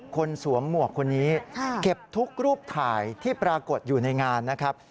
สวมหมวกคนนี้เก็บทุกรูปถ่ายที่ปรากฏอยู่ในงานนะครับ